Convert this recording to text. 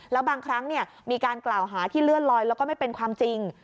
แล้วบางครั้งมีการกล่าวหาที่เลื่อนลอยแล้วก็ไม่เป็นความจริง